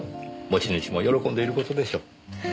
持ち主も喜んでいる事でしょう。